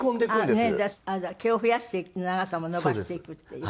毛を増やして長さも伸ばしていくっていう。